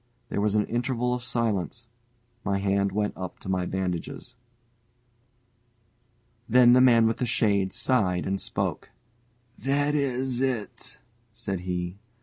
There was an interval of silence. My hand went up to my bandages. Then the man with the shade sighed and spoke. "That is it," said he.